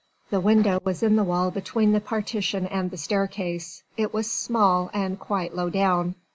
The window was in the wall between the partition and the staircase, it was small and quite low down.